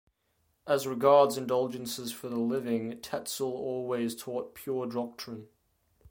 As regards indulgences for the living, Tetzel always taught pure doctrine.